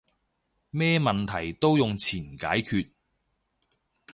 咩問題都用錢解決